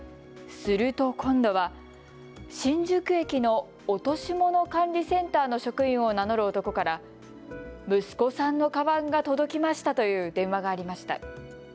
すると、今度は新宿駅の落とし物管理センターの職員を名乗る男から息子さんのかばんが届きましたという電話がありました。